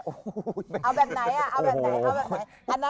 อ้าวแบบไหน